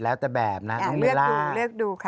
แล้วแต่แบบนะน้องเบลล่าเลือกดูค่ะ